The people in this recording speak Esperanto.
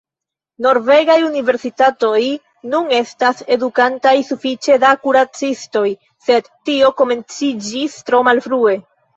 Norvegaj universitatoj nun estas edukantaj sufiĉe da kuracistoj, sed tio komenciĝis tro malfrue.